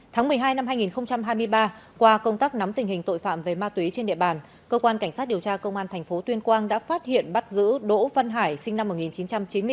tháng một mươi hai năm hai nghìn hai mươi ba qua công tác nắm tình hình tội phạm về ma túy trên địa bàn cơ quan cảnh sát điều tra công an tp tuyên quang đã phát hiện bắt giữ đỗ văn hải sinh năm một nghìn chín trăm chín mươi bốn